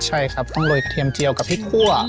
ใช่ครับต้องโรยเทียมเจียวกับพริกคั่ว